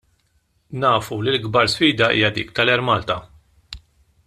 Nafu li l-akbar sfida hija dik tal-Air Malta.